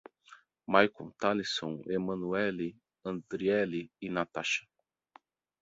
Maikon, Talisson, Emanuelle, Andrieli e Natacha